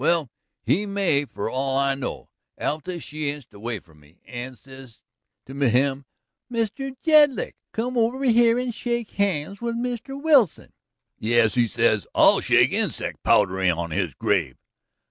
Well, he may, for all I know. Alta she inched away from me, and she says to him: 'Mr. Jedlick, come over here and shake hands with Mr. Wilson.' "'Yes,' he says, 'I'll shake insect powder on his grave!'